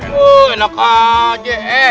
wuh enak aja